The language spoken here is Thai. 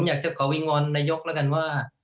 อยากจะขอวิงวอนนายกแล้วกันว่า